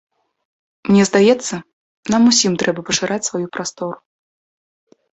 Мне здаецца, нам усім трэба пашыраць сваю прастору.